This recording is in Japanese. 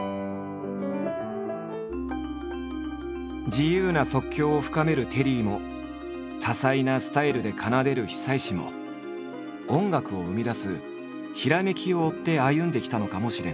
自由な即興を深めるテリーも多彩なスタイルで奏でる久石も音楽を生み出すひらめきを追って歩んできたのかもしれない。